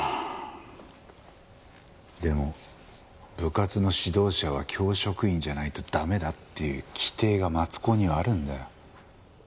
でも部活の指導者は教職員じゃないと駄目だっていう規定が松高にはあるんだよ。